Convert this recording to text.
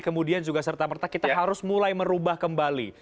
kemudian juga serta merta kita harus mulai merubah kembali